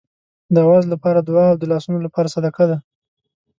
د آواز لپاره دعا او د لاسونو لپاره صدقه ده.